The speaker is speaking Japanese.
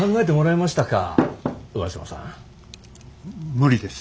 無理です。